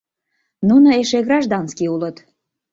— Нуно эше гражданский улыт.